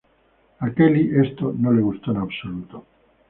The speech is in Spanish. A Kelly esto no le gustó en absoluto.